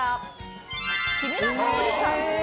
木村沙織さん。